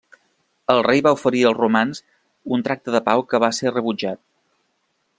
El rei va oferir als romans un tractat de pau que va ser rebutjat.